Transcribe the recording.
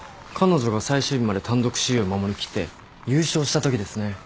彼女が最終日まで単独首位を守り切って優勝したときですね。